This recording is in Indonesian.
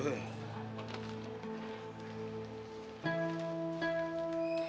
susah nyatu nih